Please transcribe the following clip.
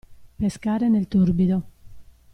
Pescare nel torbido.